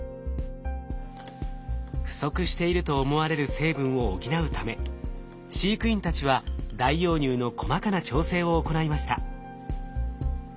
不足していると思われる成分を補うため飼育員たちは代用乳の細かな調整を行いました。